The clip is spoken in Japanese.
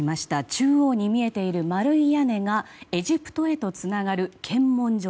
中央に見えている丸い屋根がエジプトへとつながる検問所。